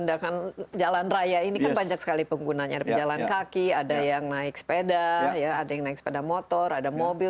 sedangkan jalan raya ini kan banyak sekali penggunanya ada pejalan kaki ada yang naik sepeda ada yang naik sepeda motor ada mobil